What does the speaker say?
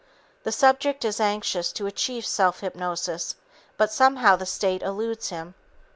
The subject is anxious to achieve self hypnosis, but somehow the state eludes him.